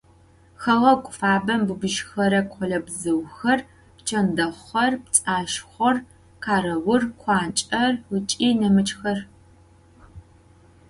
Хэгъэгу фабэм быбыжьрэ къолэбзыухэр: пчэндэхъур, пцӏашхъор, къэрэур, къуанчӏэр ыкӏи нэмыкӏхэр.